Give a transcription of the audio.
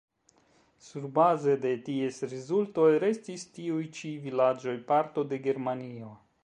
Surbaze de ties rezultoj restis tiuj ĉi vilaĝoj parto de Germanio.